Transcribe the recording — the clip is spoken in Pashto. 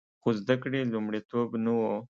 خو زده کړې لومړیتوب نه و